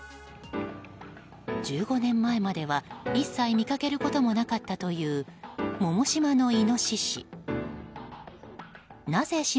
１５年前までは一切見かけることもなかったという百島のイノシシ。